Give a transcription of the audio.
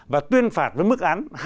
và tuyên phạt với mức án